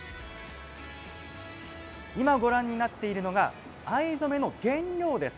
今、ご覧になっているのが藍染めの原料です。